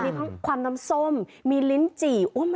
มีความน้ำส้มมีลินจิ